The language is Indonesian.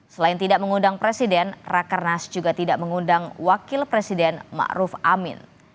selain tidak mengundang presiden rakernas juga tidak mengundang wakil presiden ⁇ maruf ⁇ amin